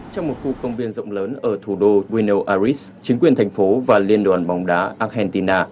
trong một khu công viên rộng lớn ở thủ đô bueno aris chính quyền thành phố và liên đoàn bóng đá argentina